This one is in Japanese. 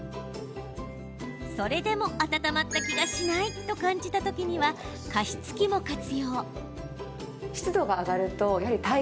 それでも暖まった気がしないと感じた時には加湿器も活用。